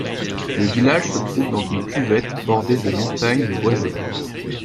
Le village se trouve dans une cuvette bordée de montagnes boisées.